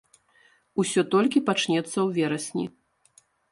Усё толькі пачнецца ў верасні.